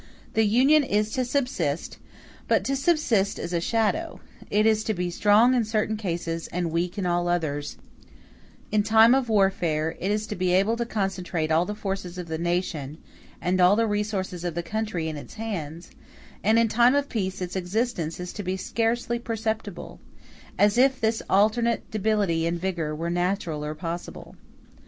The Union is to subsist, but to subsist as a shadow; it is to be strong in certain cases, and weak in all others; in time of warfare, it is to be able to concentrate all the forces of the nation and all the resources of the country in its hands; and in time of peace its existence is to be scarcely perceptible: as if this alternate debility and vigor were natural or possible.